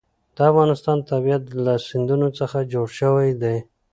د افغانستان طبیعت له سیندونه څخه جوړ شوی دی.